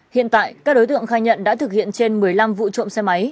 hiện tại các đối tượng khai nhận đã thực hiện trên một mươi năm vụ trộm xe máy